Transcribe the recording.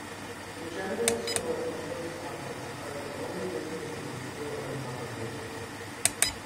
The general store and post office are the only businesses still in operation.